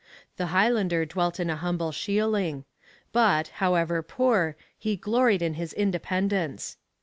The Highlander dwelt in a humble shealing; but, however poor, he gloried in his independence.